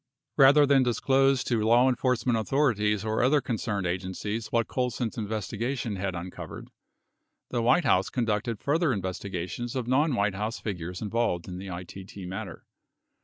60 Rather than disclose to law enforcement authorities or other con cerned agencies what Colson's investigation had uncovered, the White House conducted further investigations of non White House figures involved in the ITT matter.